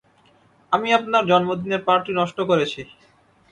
আমি আপনার জন্মদিনের পার্টি নষ্ট করেছি।